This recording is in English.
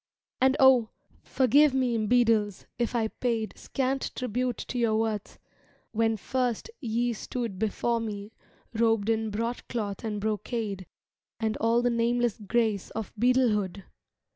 And O! forgive me, Beadles, if I paid Scant tribute to your worth, when first ye stood Before me robed in broadcloth and brocade And all the nameless grace of Beadlehood!